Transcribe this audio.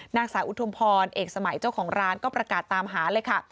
นางสาวอุทุมพรเอกสมัยเจ้าของร้านก็ประกาศตามหาเลยค่ะ